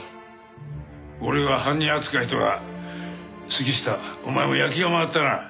俺が犯人扱いとは杉下お前も焼きが回ったな。